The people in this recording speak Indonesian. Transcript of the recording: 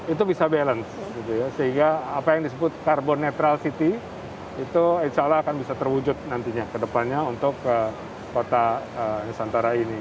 itu bisa balance sehingga apa yang disebut carbon netral city itu insya allah akan bisa terwujud nantinya ke depannya untuk kota nusantara ini